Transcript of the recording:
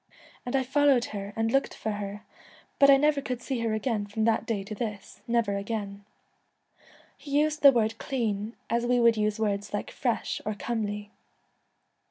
And I followed her and Celtic Twilight, looked for her, but I never could see her again from that day to this, never again.' He used the word clean as we would use words like fresh or comely.